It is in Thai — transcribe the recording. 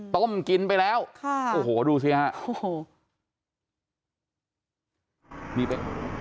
ต้มกินไปแล้วโอ้โหดูสิฮะ